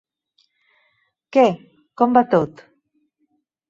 ¿Què, com va tot?